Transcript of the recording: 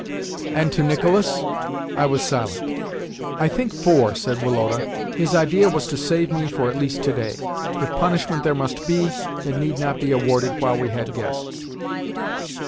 "And to Nicholas?" I was silent. "I think four," said Woloda. His idea was to save me for at least today. If punishment there must be, it need not be awarded while we had guests.